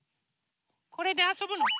これであそぶの？